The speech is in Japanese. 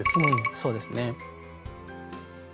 うんそうですね。